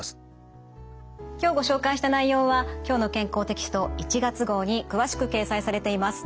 今日ご紹介した内容は「きょうの健康」テキスト１月号に詳しく掲載されています。